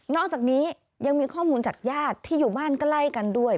อกจากนี้ยังมีข้อมูลจากญาติที่อยู่บ้านใกล้กันด้วย